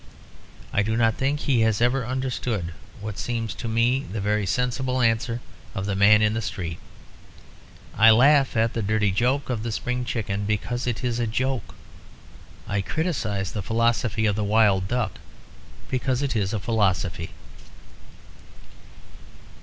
I do not think he has ever understood what seems to me the very sensible answer of the man in the street, "I laugh at the dirty joke of The Spring Chicken because it is a joke. I criticise the philosophy of The Wild Duck because it is a philosophy."